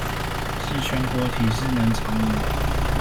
是全國體適能常模